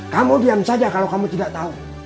kamu diam saja kalau kamu tidak tahu